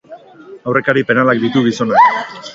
Aurrekari penalak ditu gizonak.